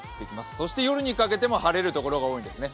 そして夜にかけても晴れる所が多いんですね。